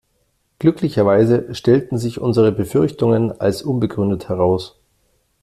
Glücklicherweise stellten sich unsere Befürchtungen als unbegründet heraus.